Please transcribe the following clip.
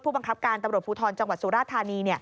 บังคับการตำรวจภูทรจังหวัดสุราธานี